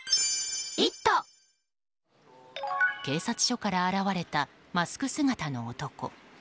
警察署から現れたマスク姿の男。